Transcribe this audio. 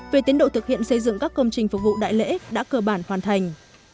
về tiến độ thực hiện xây dựng các công trình phục vụ đại lễ đã cơ bản hoàn thành